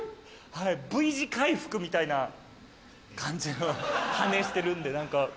はいＶ字回復みたいな感じの羽してるんで。